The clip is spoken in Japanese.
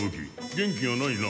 元気がないな。